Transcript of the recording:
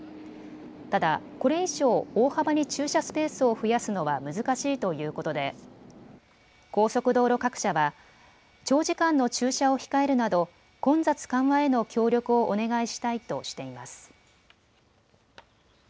ただ、これ以上、大幅に駐車スペースを増やすのは難しいということで高速道路各社は長時間の駐車を控えるなど混雑緩和への協力をお願いしたいとしています。